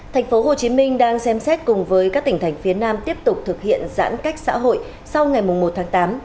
thành phố hồ chí minh đang xem xét cùng với các tỉnh thành phía nam tiếp tục thực hiện giãn cách xã hội sau ngày một tháng tám